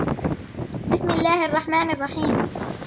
بسم الله الرحمان الرحيم